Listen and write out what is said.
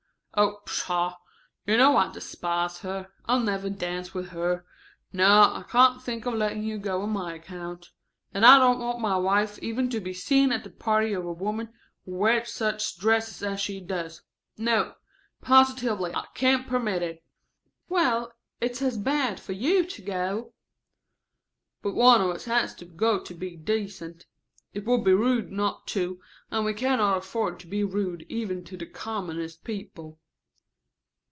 "Oh, pshaw. You know I despise her. I never dance with her. No, I can't think of letting you go on my account. And I don't want my wife even to be seen at the party of a woman who wears such dresses as she does. No! positively, I can't permit it." "Well, it's as bad for you to go." "But one of us has to go to be decent. It would be rude not to, and we can not afford to be rude even to the commonest people."